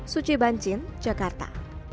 suci banjin jakarta